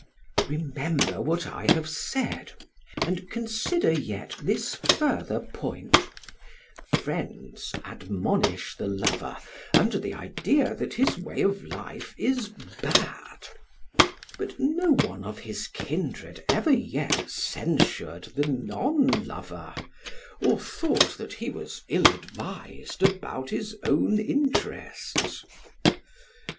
Remember what I have said; and consider yet this further point: friends admonish the lover under the idea that his way of life is bad, but no one of his kindred ever yet censured the non lover, or thought that he was ill advised about his own interests.